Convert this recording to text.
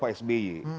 per jam sembilan sbe